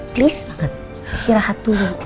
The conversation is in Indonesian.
please banget istirahat dulu